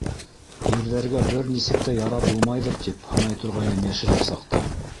Ирҙәргә бер нисек тә ярап булмайҙыр тип һанай торғайным, йәшерәк саҡта.